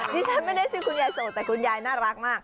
ที่ฉันไม่ได้ชื่อคุณยายโสดแต่คุณยายน่ารักมาก